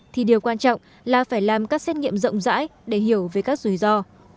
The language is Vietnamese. thì điều quan trọng là phải làm các xét nghiệm rộng rãi để hiểu về các rủi ro